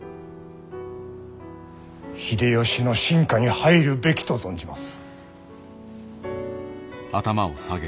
秀吉の臣下に入るべきと存じます。